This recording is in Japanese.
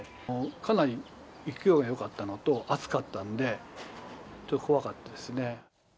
かなり勢いがよかったのと熱かったんで、ちょっと怖かったですね。